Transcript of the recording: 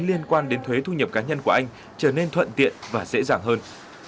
liên quan đến thuế thu nhập cá nhân của anh trở nên thuận tiện và dễ dàng hơn